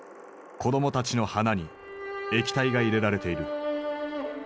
子供たちの鼻に液体が入れられている。